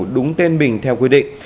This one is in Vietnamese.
đúng tên mình theo quy định